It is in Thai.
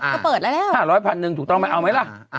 ก็เปิดแล้ว๕๐๐๐๐๐ถูกต้องไหมเอาไหมล่ะ